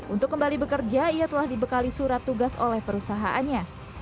untuk kembali bekerja ia telah dibekali surat tugas oleh perusahaannya